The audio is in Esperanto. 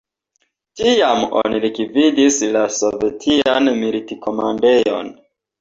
Tiam oni likvidis la sovetian milit-komandejon.